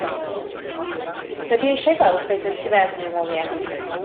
Roedd hi eisiau gweld beth oedd tu fewn i'r waliau.